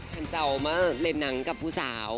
ท่านเจ้ามาเล่นหนังกับผู้สาว